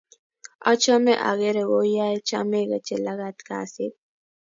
Achome akere kouyo chamei Jelagat kasit